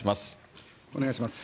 お願いします。